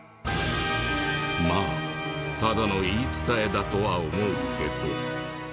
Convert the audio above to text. まあただの言い伝えだとは思うけど。